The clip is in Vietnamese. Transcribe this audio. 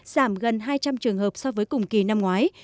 giảm gần hai trăm linh trường hợp so với cùng kỳ năm ngoái